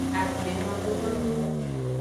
Akpemadomado.